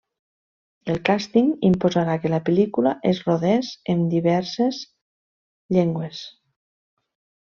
El càsting imposarà que la pel·lícula es rodés en diverses llengües.